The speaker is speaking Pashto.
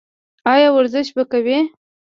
ایا ورزش به کوئ؟